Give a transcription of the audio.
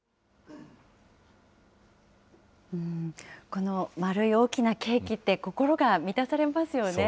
この丸い大きなケーキって、心が満たされますよね。